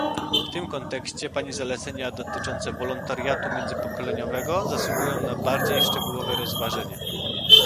W tym kontekście pani zalecenia dotyczące "wolontariatu międzypokoleniowego" zasługują na bardziej szczegółowe rozważenie